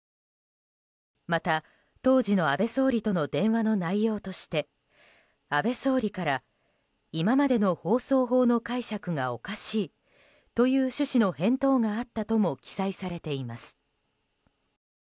また当時の安倍総理との電話の内容として安倍総理から今までの放送法の解釈がおかしいという趣旨の返答があったとも記載されています。